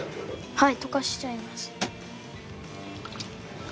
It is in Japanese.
はい溶かしちゃいます。